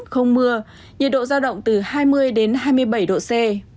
không mưa nhiệt độ giao động từ hai mươi đến hai mươi bảy độ c